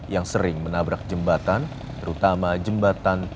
yang sering menabrak jembatan terutama jembatan